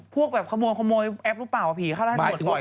พวกแบบขโมยแอบรึเปล่าผีเข้าให้ตำรวจปล่อยรึเปล่า